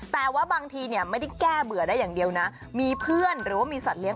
แต่ว่าบางทีเนี่ยไม่ได้แก้เบื่อได้อย่างเดียวนะมีเพื่อนหรือว่ามีสัตว์เลี้ย